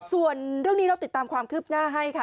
ส่วนเรื่องนี้เราติดตามความคืบหน้าให้ค่ะ